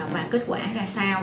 và kết quả ra sao